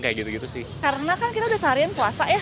karena kan kita udah seharian puasa ya